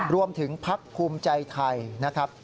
รวมถึงพักภูมิใจไทยนะครับ